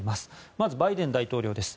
まずバイデン大統領です。